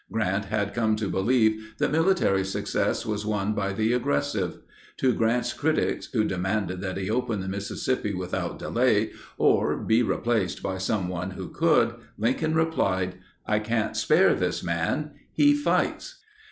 Grant had come to believe that military success was won by the aggressive. To Grant's critics, who demanded that he open the Mississippi without delay or be replaced by someone who could, Lincoln replied, "I can't spare this man; he fights."